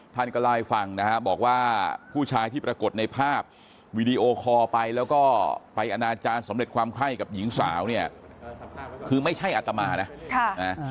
ท่านก็เล่าให้ฟังนะฮะบอกว่าผู้ชายที่ปรากฏในภาพวีดีโอคอลไปแล้วก็ไปอนาจารย์สำเร็จความไข้กับหญิงสาวเนี่ยคือไม่ใช่อัตมานะ